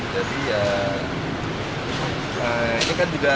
jadi ya ini kan juga